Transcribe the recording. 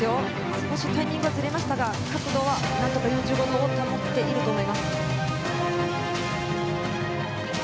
少しタイミングがずれましたが角度は保っていれると思います。